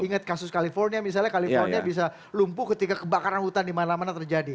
ingat kasus california misalnya california bisa lumpuh ketika kebakaran hutan di mana mana terjadi